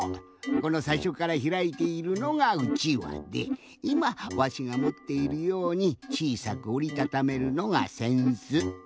このさいしょからひらいているのがうちわでいまわしがもっているようにちいさくおりたためるのがせんす。